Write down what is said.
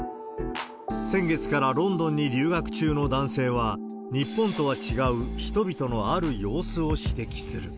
先月からロンドンに留学中の男性は、日本とは違う人々のある様子を指摘する。